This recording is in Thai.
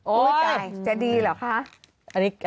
โอ้ยจะดีหรอกคะ